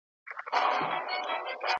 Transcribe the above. حیرت واخیستی د خدای و هسي کړو ته ,